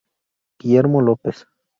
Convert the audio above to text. Guillermo López.